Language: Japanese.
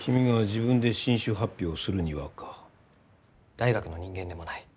大学の人間でもない。